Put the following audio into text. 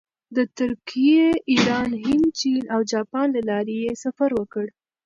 د ترکیې، ایران، هند، چین او جاپان له لارې یې سفر وکړ.